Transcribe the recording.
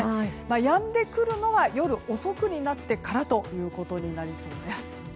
やんでくるのは夜遅くになってからということになりそうです。